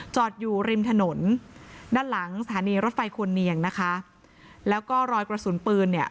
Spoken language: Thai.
จอดอยู่ริมถนนด้านหลังสถานีรถไฟควรเนียงนะคะแล้วก็รอยกระสุนปืนเนี่ย